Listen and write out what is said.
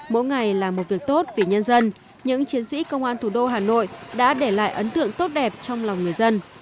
mỗi ngày là một việc tốt vì nhân dân những chiến sĩ công an thủ đô hà nội đã để lại ấn tượng tốt đẹp trong lòng người dân